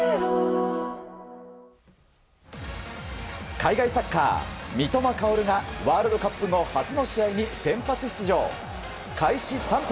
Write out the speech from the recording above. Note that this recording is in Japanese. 海外サッカー、三笘薫がワールドカップ後初の試合に先発出場し、開始３分。